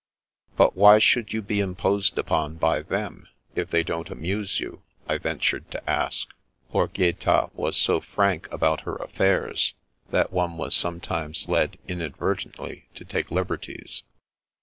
" But why should you be imposed upon by them, if they don't amuse you ?" I ventured to ask ; for Gaeta was so frank about her affairs that one was sometimes led inadvertently to take liberties.